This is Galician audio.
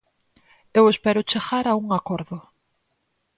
Eu espero chegar a un acordo.